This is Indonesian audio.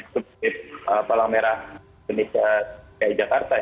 sebut palang merah indonesia kayak jakarta ya